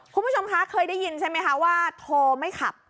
คุณผู้ชมคะเคยได้ยินใช่ไหมคะว่าโทรไม่ขับ